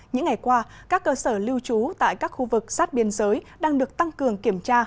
những ngày qua các cơ sở lưu trú tại các khu vực sát biên giới đang được tăng cường kiểm tra